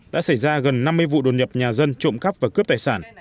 đã xảy ra gần năm mươi vụ đột nhập nhà dân trộm cắp và cướp tài sản